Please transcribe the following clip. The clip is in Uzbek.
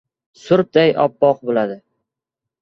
Surpday oppoq bo‘ladi!